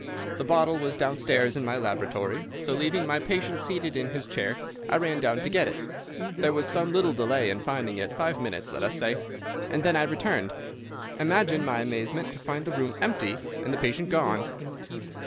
The bottle was downstairs in my laboratory, so leaving my patient seated in his chair, I ran down to get it. There was some little delay in finding it—five minutes, let us say—and then I returned. Imagine my amazement to find the room empty and the patient gone.